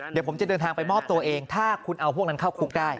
เดี๋ยวผมจะเดินทางไปมอบตัวเองถ้าคุณเอาพวกนั้นเข้าคุกได้